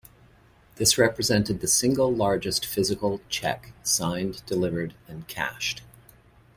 This represented the single largest physical check signed, delivered and cashed.